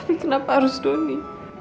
tapi kenapa harus doni